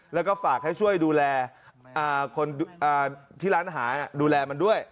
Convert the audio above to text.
แล้วก็ฝากให้ช่วยดูแลอ่าคนดูอ่าที่ร้านอาหาร่ะดูแลมันด้วย